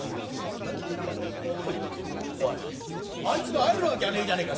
おいあいつが会えるわけはねえじゃねえか」。